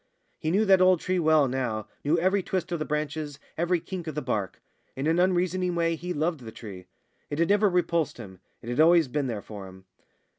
He knew that old tree well now, knew every twist of the branches, every kink of the bark. In an unreasoning way he loved the tree. It had never repulsed him; it had always been there for him.